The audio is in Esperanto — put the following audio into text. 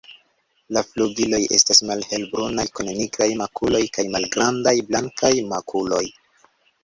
La flugiloj estas malhelbrunaj kun nigraj makuloj kaj malgrandaj blankaj makuloj.